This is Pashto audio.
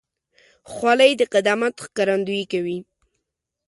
خولۍ د قدامت ښکارندویي کوي.